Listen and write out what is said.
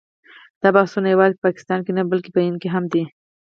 دا بحثونه یوازې په پاکستان کې نه بلکې په هند کې هم دي.